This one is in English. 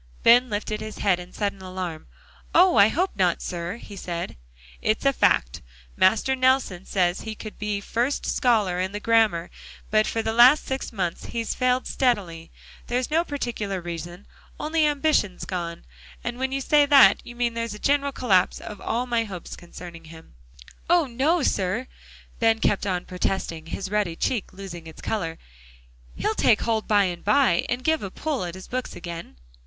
Ben lifted his head in sudden alarm. "Oh! I hope not, sir," he said. "It's a fact. Master Nelson says he could be first scholar in the grammar, but for the last six months he's failed steadily. There's no particular reason, only ambition's gone. And when you say that, you mean there's a general collapse of all my hopes concerning him." "Oh! no, sir," Ben kept on protesting, his ruddy cheek losing its color. "He'll take hold by and by and give a pull at his books again."